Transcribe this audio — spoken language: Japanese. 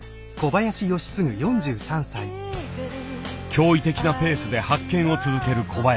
驚異的なペースで発見を続ける小林。